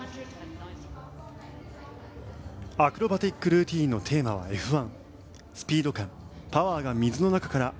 アクロバティックルーティンのテーマはＦ１。